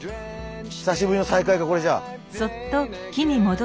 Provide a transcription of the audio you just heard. ひさしぶりの再会がこれじゃあ。